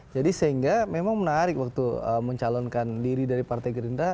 jadi sehingga memang menarik waktu mencalonkan diri dari partai gerinda